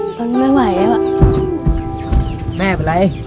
ผมไม่ไหวครับ